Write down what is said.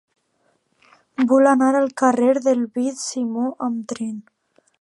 Vull anar al carrer del Beat Simó amb tren.